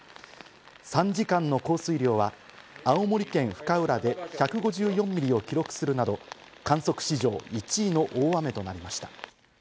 ３時間の降水量は青森県深浦で１５４ミリを記録するなど、観測史上１位の大雨となりました。